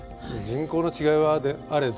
人口の違いはあれど